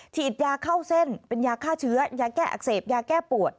ฉีดยาเข้าเส้นเป็นยาฆ่าเชื้อยาแก้อักเสบยาแก้ปวด